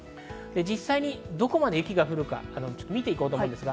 実際にどこまで雪が降るか見ていきます。